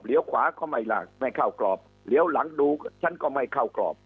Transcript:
เหลียวขวาก็ไม่เข้ากรอบหลังดูฉันก็ไม่เข้ากรอบ